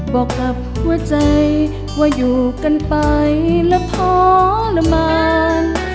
บอกกับหัวใจว่าอยู่กันไปแล้วทรละมาน